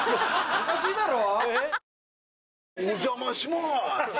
おかしいだろ？